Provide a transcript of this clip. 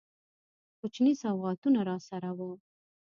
کوچني سوغاتونه راسره وه.